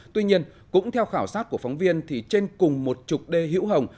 tuy nhiên cũng theo khảo sát của phóng viên thì trên cùng một chục đê hữu hồng